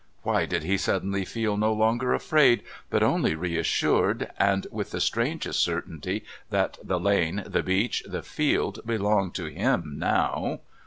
Why did he suddenly feel no longer afraid, but only reassured and with the strangest certainty that the lane, the beach, the field belonged to him now?